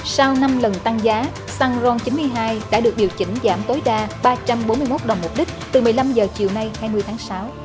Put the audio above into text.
sau năm lần tăng giá xăng ron chín mươi hai đã được điều chỉnh giảm tối đa ba trăm bốn mươi một đồng mục đích từ một mươi năm h chiều nay hai mươi tháng sáu